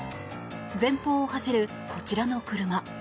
前方を走るこちらの車。